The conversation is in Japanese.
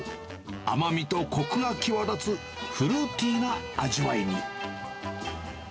甘みとこくが際立つフルーティーな味わいに。